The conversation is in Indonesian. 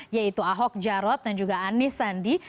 yaitu ahok jarot dan juga anis sandi